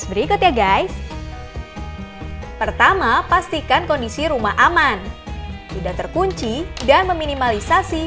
hampir setengah hdan seperti biasa usaha lustraluk for berkumeh dan keberkapan bagi hal baik saja